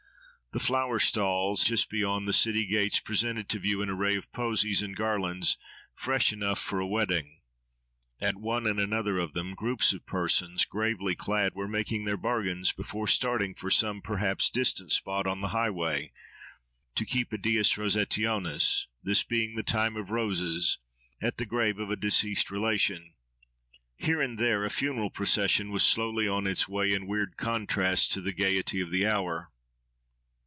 The flower stalls just beyond the city gates presented to view an array of posies and garlands, fresh enough for a wedding. At one and another of them groups of persons, gravely clad, were making their bargains before starting for some perhaps distant spot on the highway, to keep a dies rosationis, this being the time of roses, at the grave of a deceased relation. Here and there, a funeral procession was slowly on its way, in weird contrast to the gaiety of the hour.